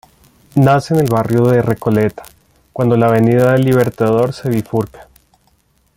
Nace en el barrio de Recoleta, cuando la Avenida del Libertador se bifurca.